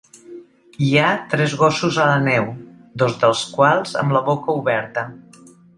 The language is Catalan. Hi ha tres gossos a la neu, dos dels quals amb la boca oberta.